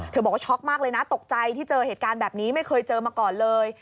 บอกว่าช็อกมากเลยนะตกใจที่เจอเหตุการณ์แบบนี้ไม่เคยเจอมาก่อนเลย